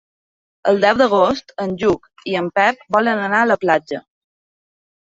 El deu d'agost en Lluc i en Pep volen anar a la platja.